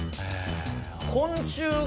昆虫が。